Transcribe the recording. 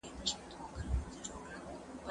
زه به سبا سبزیحات تيار کړم؟!